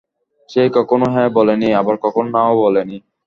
সে কখনো হ্যাঁ বলে নি, আবার কখনো নাও বলে নি।